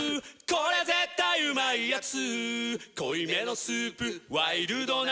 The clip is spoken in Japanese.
これ絶対うまいやつ」